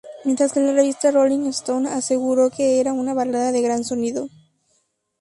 Mientras que la revista "Rolling Stone" aseguro que era una balada de gran sonido.